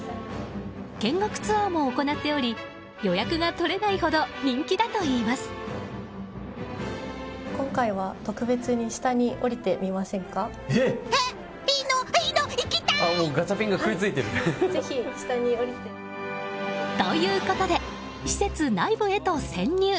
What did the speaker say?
見学ツアーも行っており予約が取れないほど人気だといいます。ということで施設内部へと潜入！